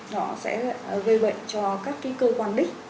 nó sẽ gây bệnh cho các cái cơ quan đích